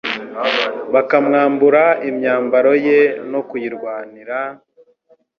bakamwambura imyambaro ye no kuyirwanira,